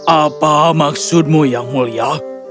apa maksudmu yang mulia